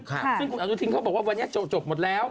ซึ่งคุณอนุทินเขาบอกว่าวันนี้จบหมดแล้ว